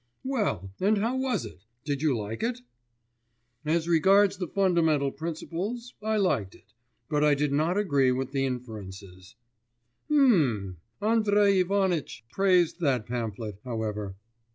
'Well, and how was it? Did you like it?' 'As regards the fundamental principles, I liked it; but I did not agree with the inferences.' 'Mmm ... Andrei Ivanitch praised that pamphlet, however.